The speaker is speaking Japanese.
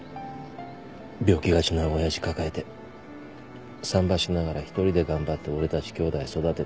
病気がちな親父抱えて産婆しながら１人で頑張って俺たち兄弟育てて。